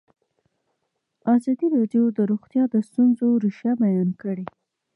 ازادي راډیو د روغتیا د ستونزو رېښه بیان کړې.